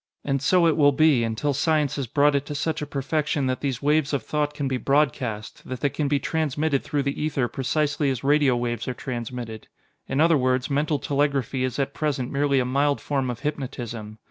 "And so it will be, until science has brought it to such a perfection that these waves of thought can be broadcast that they can be transmitted through the ether precisely as radio waves are transmitted. In other words, mental telegraphy is at present merely a mild form of hypnotism.